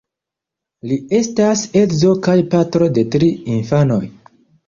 Li estas edzo kaj patro de tri infanoj.